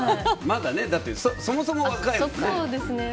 まだ、そもそも若いもんね。